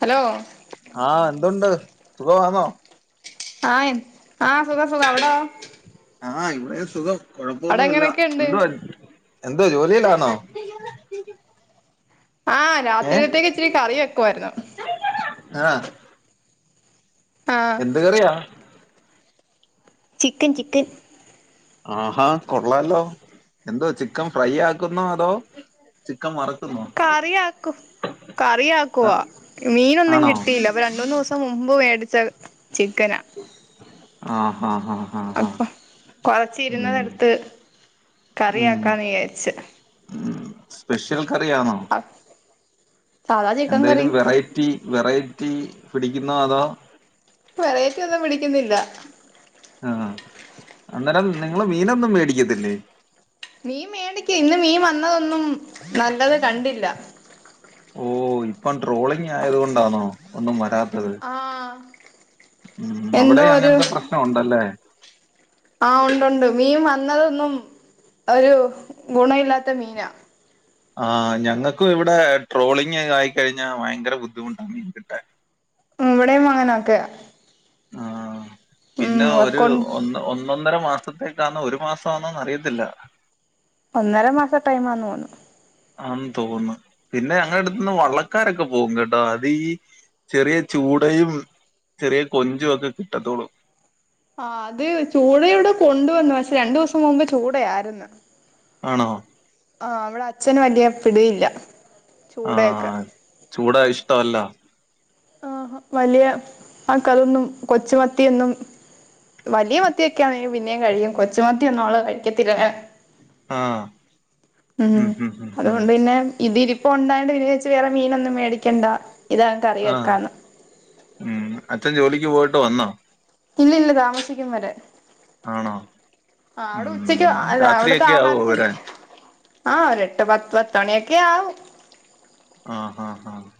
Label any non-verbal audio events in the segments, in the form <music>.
Hello ആഹ എന്തുണ്ട് സുഖവാന്നോ ആയി ആഹ സുഖാ സുഖ അവടോ ആഹ് ഇവിടേം സുഖം അവിടെ കൊഴപ്പൊന്നുല്ല എങ്ങനെയൊക്കെയുണ്ട് എന്തുവായിരുന്ന് എന്തോ ജോലിയിലാണോ <inaudible> ആഹ് രാത്രിത്തേക്ക് ഇച്ചിരി കറി വെക്കുവായിരുന്നു ആഹ ആഹ് എന്ത് കറിയാ ചിക്കൻ ചിക്കൻ ആഹാ കൊള്ളാലോ എന്താ ചിക്കൻ ഫ്രൈ ആക്കുന്നോ അതോ ചിക്കൻ വർക്കുന്നോ കറിയാക്കും കറിയാക്കുവാ മീനൊന്നും ആണോ കിട്ടില്ല ഇപ്പൊ രണ്ട് മൂന്ന് ദിവസം മുമ്പ് മേടിച്ച ചിക്കനാ ആഹ് ആഹ് ആഹ് ആഹ് ആഹ് അപ്പൊ കൊറച്ച് ഉം ഇരുന്നതെടുത്ത് ഉം കറിയാക്കാന്ന് വിചാരിച്ച് ഉം സ്പെഷ്യൽ കറിയാണോ ആ.. എന്തേലും വെറൈറ്റി വെറൈറ്റി പിടിക്കുന്നോ അതോ വെറൈറ്റിയൊന്നും പിടിക്കുന്നില്ല ആഹ് അന്നേരം നിങ്ങള് മീനൊന്നും മേടിക്കത്തില്ലേ മീൻ മേടിക്കും ഇന്ന് മീൻ വന്നതൊന്നും നല്ലത് കണ്ടില്ല ഓഹ് ഇപ്പം ട്രോളിങ്ങായത് കൊണ്ടാണോ ഒന്നും വരാത്തത് ആഹ് ഉം എന്തോ അവിടേം ഒരു അങ്ങനത്തെ പ്രശ്നം ഒണ്ടല്ലേ ആഹ് ഉണ്ടൊണ്ട് മീൻ വന്നതൊന്നും ഒരു ഗുണം ഇല്ലാത്ത മീനാ ആഹ് ഞങ്ങക്കും ഇവിടെ ട്രോളിങ്ങായ് ആയിക്കഴിഞ്ഞാ ഭയങ്കര ബുദ്ധിമുട്ടാ മീൻ കിട്ടാൻ ഉം ഇവിടേം അങ്ങനൊക്കെയാ ആഹ് പിന്നെ ഒരു കൊ ഒന്ന് ഒന്ന് ഒന്നൊന്നര മാസത്തേക്കാന്നോ ഒരു മാസാന്നോന്നറിയത്തില്ല ഒന്നര മാസ ടൈംമാന്ന് തോന്നുന്നു ആംന്ന് തോന്നുന്നു പിന്നെ ഞങ്ങടടുത്ത്ന്ന് വള്ളക്കാരൊക്കെ പോകും കേട്ടോ അത് ഈ ചെറിയ ചൂടയും ചെറിയ കൊഞ്ചുംക്കെ കിട്ടത്തൊള്ളു ആഹ് അത് ചൂടയിവിടെ കൊണ്ടുവന്നു പക്ഷെ രണ്ടു ദിവസം മുമ്പ് ചൂടയാരുന്ന് ആണോ ആഹ് ഇവിടച്ഛന് വലിയ പിടിയില്ല ചൂടയൊക്കെ ആഹ് ചൂട ഇഷ്ടവല്ല ആഹാ വലിയ ആൾക്കാരൊന്നും കൊച്ചുമത്തിയൊന്നും വലിയ മത്തിയൊക്കെയാണെങ്കി പിന്നേം കഴിക്കും കൊച്ചുമത്തിയൊന്നും അവള് കഴിക്കത്തില്ലങ്ങനെ ആ ആഹ് ഉം ഉം ഉം ഉം അതുകൊണ്ട് പിന്നെ ഇതിരി പ്പൊണ്ടായോണ്ട് വിചാരിച്ച് വേറെ മീനൊന്നും മേടിക്കണ്ട ഇതങ്ങ് കറി ആഹ് വെക്കാന്ന് ഉം അച്ഛൻ ജോലിക്ക് പോയിട്ട് വന്നോ ഇല്ലില്ല താമസിക്കും വരാൻ ആണോ ആഹ് അവിടെ ഉച്ചക്ക് ഉം അല്ല അവിടത്തെ രാത്രിയൊക്കെ ആവോ ആഹാരത്തിൽ വരാൻ ആഹ് ഒരെട്ട് പത്ത് പത്ത് മണിയൊക്കെയാവും ആഹ് ആഹ് ആഹ്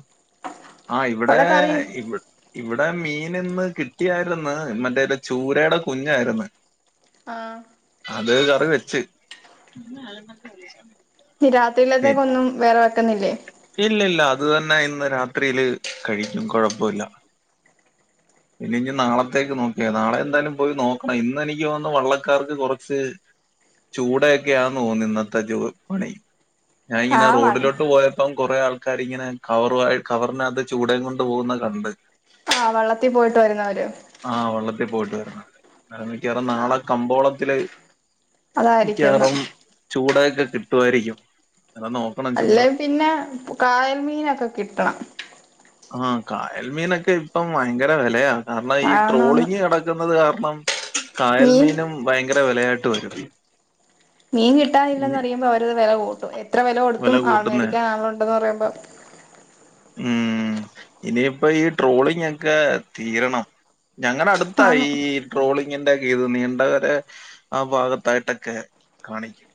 ആഹ് ഇവിടേ അവിടെ കറി ഇവി ഇവിടെ മീനിന്ന് കിട്ടിയാരുന്ന് മറ്റേത് ചൂരേടെ കുഞ്ഞാരുന്ന് ആഹ് അത് കറി വെച്ച് ഇനി പി രാത്രിലത്തേക്കൊന്നും വേറെ വെക്ക്ന്നില്ലേ ഇല്ലില്ല അത് തന്നെ ഇന്ന് രാത്രിയില് കഴിക്കും കൊഴപ്പവില്ല പിന്നെ ഇനി നാളത്തേക്ക് നോക്കിയാ നാളെ എന്തായാലും പോയി നോക്കണം ഇന്ന് എനിക്ക് തോന്നുന്നു വള്ളക്കാർക്ക് കൊറച്ച് ചൂടയൊക്കെയാന്ന് തോന്നുന്നു ഇന്നത്തെ ജോ പണി ഞാൻ ആ ഇങ്ങനെ വൺ റോഡിലോട്ട് പോയ ഇപ്പം കൊറേ ആൾക്കാര് ഇങ്ങനെ കവറുവായി കവറിനാത്ത് ചൂടേം കൊണ്ട് പോകുന്നത് കണ്ട് ആഹ് വള്ളത്തി പോയിട്ട് വരുന്നവര് ആഹ് വള്ളത്തി പോയിട്ട് വരുന്നവര് അന്നേരം മിക്കവാറും ആ നാളെ കമ്പോളത്തില് അതായിരിക്കുംന്ന് മിക്കവാറും ചൂടയക്കെ കിട്ടുവാരിക്കും അന്നേരം നോ അല്ലേ പിന്നെ കായൽ മീനൊക്കെ കിട്ടണം ആഹ് കായൽ മീനൊക്കെ ഇപ്പം ഭയങ്കര വെലയാ കാരണം ഈ അതൊന്ന് ട്രോളിങ്ങ് നട ക്കുന്നത് കാരണം മീൻ കായൽമീനും ഭയങ്കര വെലയായിട്ട് വെരും മീൻ കിട്ടാനില്ലെന്ന് അറിയുമ്പൊ അവരത് വെല കൂട്ടും എത്ര വെല വില കൊടുത്തും ആൾ കൂട്ടുന്ന മേടിക്കാൻ ആളോണ്ടെന്ന് പറയുമ്പൊ ഉം ഇനിയിപ്പം ഈ ട്രോളിങ്ങക്കെ തീരണം ഞങ്ങടെ അടു ത്താ വാങ്ങും ഈ ട്രോളിങ്ങിന്റെ ക്കെ ഇത് നീണ്ടകര ആ ഭാഗത്തായിട്ടൊക്കെ കാണിക്കും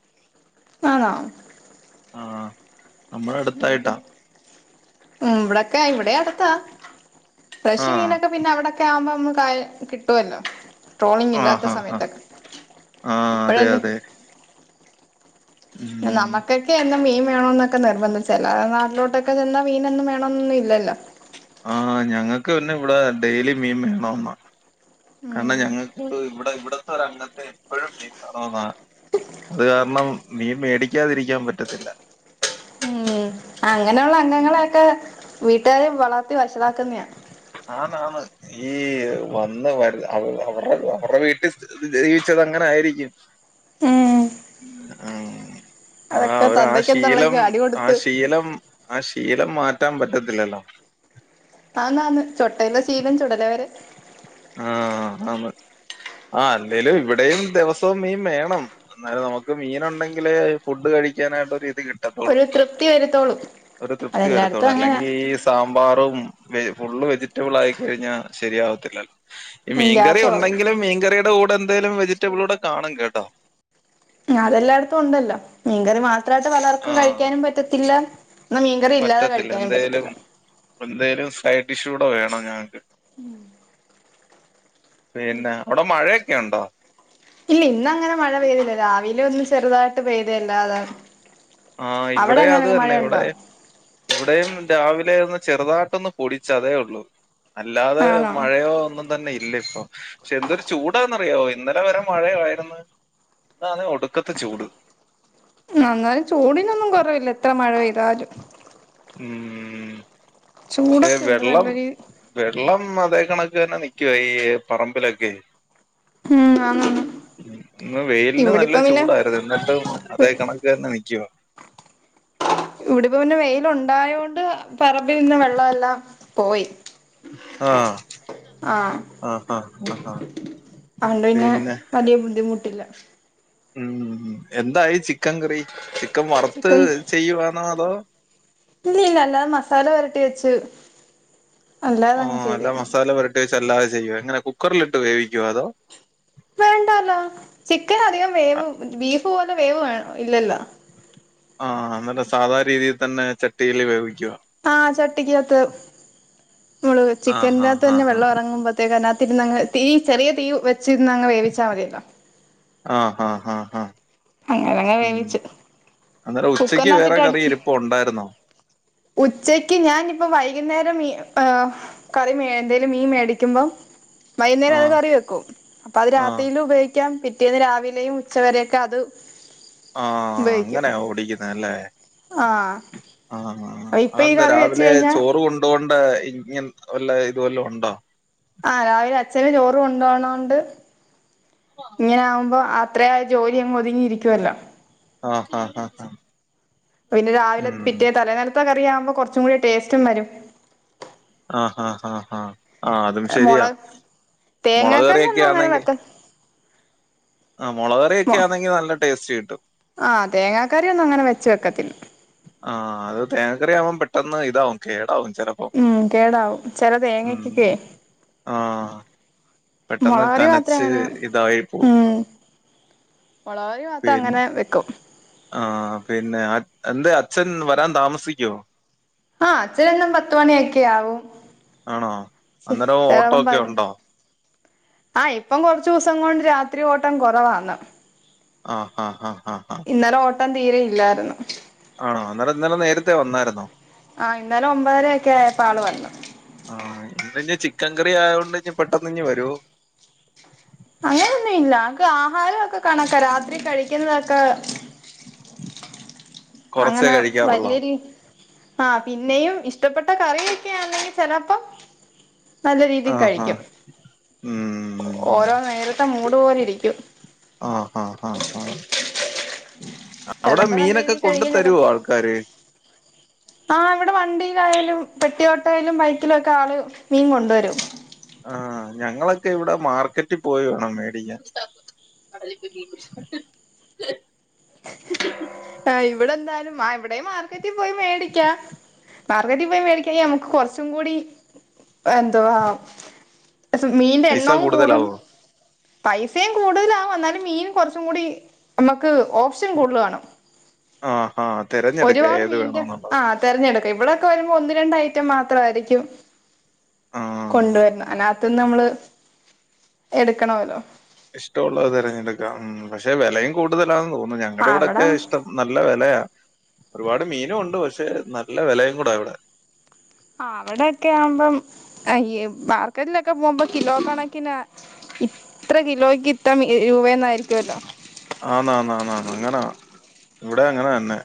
ആണോ ആഹ് നമ്മടെ നിങ്ങക്ക് അടുത്തായിട്ടാ ഉം ഇവിടെക്കെ ഇവിടെ അടുത്താ ഫ്രഷ് ആഹ് മീനൊക്കെ പിന്നെ അവിടൊക്കെ ആവുമ്പോ നമ്മ കായ കിട്ടുവല്ലോ ട്രോളിങ് ഇല്ലാത്ത ആഹ് ആഹ് ആഹ് സമയത്തൊക്കെ ആഹ് അതെ ഇപ്പഴല്ലേ അതെ ഉം നമുക്കൊക്കെ എന്നും മീൻ വേണോന്നൊക്കെ നിർബന്ധം ചില നാട്ടിലോട്ടൊക്കെ ചെന്നാ മീനൊന്നും വേണോന്നൊന്നും ഇല്ലല്ലോ ആഹ് ഞങ്ങക്ക് പിന്നെ ഇവിടെ ഡെയിലി മീൻ വേണോന്നാ കാരണം ഉം ഞങ്ങക്ക് ഇവിടെ ഇവിടത്തെ ഒരു അംഗത്തെ എപ്പഴും മീൻ വേണോന്ന അത് കാരണം മീൻ മേടിക്കാതിരിക്കാൻ പറ്റത്തില്ല ഉം അങ്ങനെയുള്ള അംഗങ്ങളെയൊക്കെ വീട്ടുകാര് വളർത്തി വഷളാക്കുന്നെയാ ആന്ന് ആന്ന് ഈ വന്ന് വരു അവ അവരുടെ അവരടെ വീട്ടി സ്ഥി അവര് ജീവിച്ചത് അങ്ങനെ ആയിരിക്കും ഏഹ് ഉം അതാ അവരാ ആ തന്തയ്ക്കും ശീലം തള്ളയ്ക്കും അടി ആ കൊടുത്ത് ശീലം ആ ശീലം മാറ്റാൻ പറ്റത്തില്ലല്ലോ ആന്നാന്ന് ചൊട്ടയിലെ ശീലം ചുടലവരെ ആഹ് ആന്ന് ആ അല്ലേലും ഇവിടെയും ദിവസവും മീൻ വേണം അന്നേരം നമുക്ക് മീൻ ഉണ്ടെങ്കിലേ ഫുഡ് കഴിക്കാനായിട്ടൊരു ഇത് കിട്ട് ട്ടത്തൊള്ളൂ ഒരു തൃപ്തി വരുത്തോളൂ ഒരു തൃപ്തി വരത്തൊള്ളൂ അതെല്ലായിടത്തും അങ്ങനാ അല്ലെങ്കി ഈ സാമ്പാറും വെ ഫുള്ള് വെജിറ്റബിൾ ആയി കഴിഞ്ഞാ ശരിയാവത്തില്ലലോ ഈ മീൻകറി ഗ്യാസ് ഒളകും ഉണ്ടെങ്കിലും മീൻകറിയുടെ കൂടെ എന്തെലും വെജിറ്റബിൾ കൂടെ കാണും കേട്ടോ ഉം അതെല്ലാടത്തും ഉണ്ടല്ലോ മീൻകറി മാത്രമായിട്ട് ആ പലർക്കും കഴിക്കാനും പറ്റത്തില്ല എന്ന മീൻകറി ഇല്ലാതെ കഴിക്കാനും പറ്റത്തില്ല അപ്പം എന്തേലും സൈഡ് ഡിഷ് കൂടെ വേണം ഞങ്ങക്ക് ഉം പിന്നെ അവിടെ മഴയൊക്കെ ഉണ്ടോ ഇല്ല ഇന്നങ്ങനെ മഴ പെയ്തില്ല രാവിലെ ഒന്ന് ചെറുതായിട്ട് പെയ്ത അല്ലാതെ ആഹ് ഇവിടെം അത് തന്നെ ഇവിടെ ഇവിടെയും രാവിലെ ഒന്ന് ചെറുതാട്ടൊന്ന് പൊടിച്ച് അതെ ഉള്ളു അല്ലാതെ ആണോ മഴയോ ഒന്നും തന്നെ ഇല്ല ഇപ്പം പക്ഷെ എന്തൊരു ചൂടാന്നറിയോ ഇന്നലെ വരെ മഴയായിരുന്ന് ഇന്ന് ആന്നേ ഒടുക്കത്തെ ചൂട് എന്നാലും ചൂടിനൊന്നും കുറവില്ല എത്ര മഴ പെയ്താലും ഉം പക്ഷേ ചൂടൊക്കെ ഉണ്ട് വെള്ളം നല്ലൊരു വെള്ളം അതേ കണക്ക് തന്നെ നിക്കുവാ ഈ പറമ്പിലൊക്കെ ഉം ആന്നാന്ന് ഇന്ന് വെയിലിന് നല്ല ഇവിടിപ്പം പിന്നെ ചൂടായിരുന്നു ഇന്നത്തെ അതേ കണ തന്നെ നിക്കുവാ ഇവിടിപ്പോ പിന്നെ വെയിൽ ഉണ്ടായോണ്ട് പറമ്പിൽ നിന്ന വെള്ളം എല്ലാം പോയി ആഹ് ആഹ് ആഹ് ആഹ് ആഹ് അതോണ്ട് പിന്നെ വല്യ ബുദ്ധിമുട്ടില്ല ഉം എന്തായി ചിക്കൻ കറി ചിക്കൻ വറുത്ത് ചിക്കൻ ചെയ്യുവാന്നോ അതോ ഇല്ലല്ല അല്ലാതെ മസാല പൊരട്ടി വെച്ചു അല്ലാതെ അങ്ങ് ചെയ്ത ച്ച് അല്ലാതെ ചെയ്യോ എങ്ങനെ കുക്കറിലിട്ട് വേവിക്കോ അതോ വേണ്ടാലോ ചിക്കൻ അധികം ആ വേവ് ബീഫ് പോലെ വേവ് ഇല്ലല്ലോ ആഹ് എന്നിട്ട് സാധാ രീതിയിൽ തന്നെ ചട്ടിയിൽ വേവിക്കോ ആഹ് ചട്ടിക്കകത്ത് നമ്മള് ആ ചിക്കന്റെ ഹാ അകത്ത് ഹാ തന്നെ ഹാ വെള്ളം ഇറങ്ങുമ്പോ അയിനകത്തിര്ന്നങ്ങ് തീ ചെറിയ തീ വച്ചിന്നങ്ങ് വേവിച്ചാ മതില്ലോ ആഹ് ഹാ ഹാ ഹാ അങ്ങനങ്ങ് ഉം വേവിച്ച് അന്നേരം ഉച്ചക്ക് വേറെ കുക്കറിനകത്തിട്ട് കറി അടച്ച് ഇരിപ്പ് ഉണ്ടായിരുന്നോ ഉച്ചക്ക് ഞാനിപ്പം വൈകുന്നേരം ഈ കറി മേ എന്തേലും മീൻ മേടിക്കുമ്പോ ആ വൈകുന്നേരം അത് കറി വെക്കും അപ്പൊ അത് ആ രാത്രീല് ഉപയോഗിക്ക ക്കാം പിറ്റേന്ന് രാവിലെയും ഉച്ചവരെയൊക്കെ അത് ആഹ് ഉപയോഗിക്കും അങ്ങനെയ ഒടി ആഹ് ആഹ് അപ്പൊ ഇപ്പൊ ഈ അതെന്താ കറി വെച്ച് രാവിലെ കഴിഞ്ഞാ ചോറ് കൊണ്ടു പോവേണ്ട ഇങ്ങ വല്ല ഇത് വല്ലും ഉണ്ടോ ആഹ് രാവിലെ അച്ഛൻ ചോറ് കൊണ്ടോണോണ്ട് ഇങ്ങനെ ആകുമ്പോ അത്രേയും ജോലി അങ്ങ് ഒതുങ്ങിയിരിക്കുമല്ലോ ആഹ് ആഹ് ആഹ് പിന്നെ രാവിലെ ഉം പിറ്റേ തലനിലത്തെ കറിയാവുമ്പോ കുറച്ചും കൂടി ടേസ്റ്റും വരും ആഹ് ഹ ഹാ ഹാ ആഹ് അതും ശരിയാ മുളക് മുളക് തേങ്ങാക്കറി കറിയൊക്കെ ഒന്നും അങ്ങനെ ആന്നെങ്കിൽ വെക്ക ആ മുളക് കറിയൊക്കെ ആണെങ്കിൽ നല്ല ടേസ്റ്റ് കിട്ടും ആ തേങ്ങാക്കറി ഒന്നും അങ്ങനെ വെച്ച് വെക്കത്തില്ല ആഹ് അത് തേങ്ങക്കറി ആവുമ്പോം പെട്ടെന്ന് ഇതാവും കേടാവും ചിലപ്പോ ഉം കേടാവും ചെല തേങ്ങക്കക്കെ ആഹ് പെട്ടെന്ന് മുളക് കറി മാത്രേ കനച്ച് അങ്ങനെ ഇതായി പോവും ഉം മുളക് കറി മാത്രം പിൻ അങ്ങനെ വെക്കും ആഹ് പിന്നെ എന്തെ അച്ഛൻ വരാൻ താമസിക്കുവോ ആഹ് അച്ഛനെന്നും പത്ത് മണിയൊക്കെ ആവും ആണോ? അന്നേരം ഓട്ടോ ചെലേപ്പം ഒക്കെ പതിനൊന്ന് ഉണ്ടോ? ആഹ് ഇപ്പം കൊറച്ച് ദിവസം കൊണ്ട് രാത്രി ഓട്ടം കുറവാന്ന് ആഹ് ആ ആ ഹാ ഇന്നലെ ഓട്ടം തീരെ ഇല്ലായിരുന്നു ആണോ അന്നേരം ഇന്നലെ നേരത്തെ വന്നായിരുന്നോ ആഹ് ഇന്നലെ ഒമ്പതര ഒക്കെ ആയപ്പോ ആള് വന്നു ആ ഇന്നിനി ചിക്കൻ കറി ആയോണ്ട് ഇഞ്ഞി പെട്ടെന്ന് ഇങ്ങ് വരൊ അങ്ങനൊന്നും ഇല്ല അതാക്കെ ആഹാരമൊക്കെ കണക്ക രാത്രി കഴിക്കുന്നതൊക്കെ കൊറച്ചേ അങ്ങനെ കഴിക്കാറുള്ളൂ വല്ല്യേ രീതി ആഹ് പിന്നെയും ഇഷ്ടപ്പെട്ട കറിയൊക്കെ ആണെങ്കി ചെലപ്പോ നല്ല രീതി ആഹാ കഴിക്കും ഉം ഓരോ നേരത്തെ മൂട് പോലെ ഇരിക്കും ആഹ് ആഹ് ആഹ് ആഹ് അവിടെ ചിലപ്പോ നല്ല മീനൊക്കെ രീതിൽ കൊണ്ട് കഴിക്കും തരുവോ ആൾക്കാര് ആഹ് ഇവിടെ വണ്ടിയിലായാലും പെട്ടിയോട്ടയിലും ബൈക്കിലൊക്കെ ആള് മീൻ കൊണ്ട് വരും. ആഹ് ഞങ്ങളൊക്കെ ഇവിടെ മാർക്കറ്റിൽ പോയി വേണം മേടിക്കാൻ. <inaudible> ആഹ് ഇവിടെ എന്താലും ആഹ് ഇവിടെയും മാർക്കറ്റിൽ പോയി മേടിക്കാ മാർക്കറ്റിൽ പോയി മേടിക്കാണെങ്കിൽ നമുക്ക് കുറച്ചും കൂടി എന്തുവാ മീനിന്റെ പൈസ എണ്ണവും കൂടും കൂടുതലാവോ പൈസയും കൂടുതലാവും എന്നാലും മീൻ കുറച്ചും കൂടി നമ്മുക്ക് ഓപ്ഷൻ കൂടുതൽ കാണും ആഹാ തിരഞ്ഞെടുക്ക ഏത് വേണോന്നുള്ളത്. തിരഞ്ഞെടുക്ക ഇവിടൊക്കെ വരുമ്പോ ഒന്ന് രണ്ട് ഐറ്റം മാത്രവായിരിക്കും, ആഹ് കൊണ്ടുവരണെ അതിനാത്തൂന്ന് നമ്മള് എടുക്കണല്ലോ ഇഷ്ടമുള്ളത് തിരഞ്ഞെടുക്ക ഉം പക്ഷെ വിലയും കൂടുതലാന്ന് തോന്നുന്നു ഞങ്ങടെ അവിടെ ഇവിടൊക്കെ ഇഷ്ട നല്ല വെലയാ ഒരുപാട് മീനും ഉണ്ട് പക്ഷെ നല്ല വെലയും കൂടാ ഇവിടെ ആ അവിടൊക്കെ ആവുമ്പം ഈ മാർക്കറ്റിലൊക്കെ പോകുമ്പോ കിലോ കണക്കിനാ, ഇത്ര കിലോയ്ക്ക് ഇത്ര മി രൂപയെന്നായിരിക്കോല്ലോ ആന്നാ ന്നാ ന്നാ അങ്ങനാ ഇവിടെ അങ്ങനെ തന്നെ,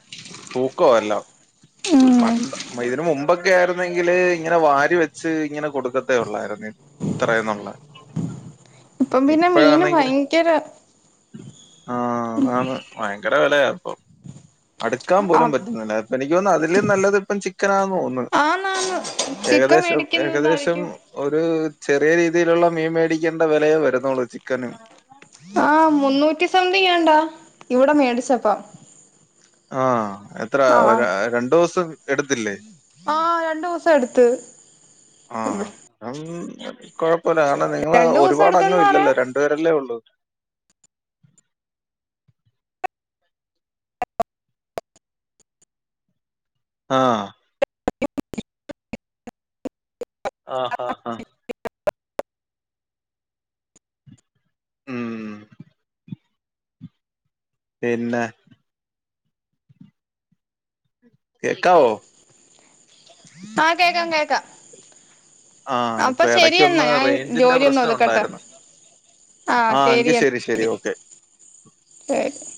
തൂക്കവാ എല്ലാം പ ഇതിന് മുമ്പൊക്കെ ആയിരുന്നെങ്കില് ഇങ്ങനെ വാരി വെച്ച് ഇങ്ങനെ കൊടുക്ക തൊള്ളായിരുന്നു ഇത്രേന്നുള്ള ഇപ്പഴാന്നെങ്കില് കേര ആഹ് ആന്ന് ആന്ന് ഭയങ്കര വെലയ ഇപ്പൊ അടുക്കാൻ പോലും പറ്റുന്നില്ല ഇപ്പ എനിക്ക് തോന്നുന്ന് അതിലും നല്ലത് ഇപ്പം ചിക്കനാണെന്ന് തോന്നുന്നു. ആന്നാന്ന് ചിക്കൻ ഏകദേശം ഏകദേശം മേടിക്കുന്നതായിരിക്കും ഒരു ചെറിയ രീതിയിലുള്ള മീൻ മേടിക്കേണ്ട വിലയേ വെരുന്നൊള്ളൂ ചിക്കന്, ആഹ് മുന്നൂറ്റി സംതിങ്ങാണ്ടാ ഇവിടെ മേടിച്ചപ്പം ആഹ് അഹ് അത്രാ ആ രണ്ടു ദിവസം എടുത്തില്ലേ? ആ രണ്ടു ദിവസം എടുത്ത് ആഹ് അതൊന്നും കൊഴപ്പല്ല കാരണം നിങ്ങള് രണ്ടു ദിവസം ഒരുപാട് എടുത്തന്ന് അംഗം പറയാ ഇല്ലല്ലോ രണ്ട് പേരല്ലേ ഉള്ളൂ ആഹ് ആഹ് ആഹ് ഹാഹ് ഉം പിന്നെ കേക്കാവോ? ആഹ് കേക്കാം കേക്കാം ആഹ് അപ്പൊ ഇപ്പൊ ശരിയെന്നാ എടക്കൊന്ന് ഞാൻ റേഞ്ചിന്റെ ജോലിയൊന്ന് പ്രശ്നം ഒതുക്കട്ടെ ഒണ്ടായിരുന്നു. ആഹ് എങ്കി ശരി ശരി ഓക്കെ <unintelligible>